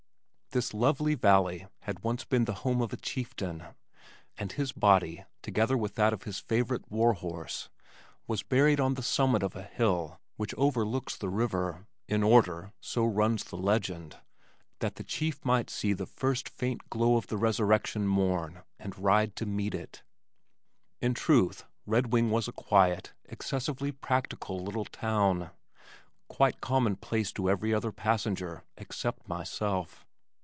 This lovely valley had once been the home of a chieftain, and his body, together with that of his favorite warhorse, was buried on the summit of a hill which overlooks the river, "in order" (so runs the legend) "that the chief might see the first faint glow of the resurrection morn and ride to meet it." In truth Redwing was a quiet, excessively practical little town, quite commonplace to every other passenger, except myself.